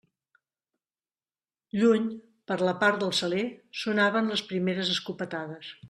Lluny, per la part del Saler, sonaven les primeres escopetades.